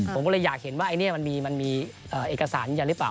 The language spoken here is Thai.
ผมก็เลยอยากเห็นว่ามันมีเอกสารอย่างนี้หรือเปล่า